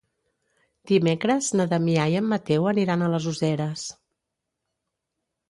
Dimecres na Damià i en Mateu aniran a les Useres.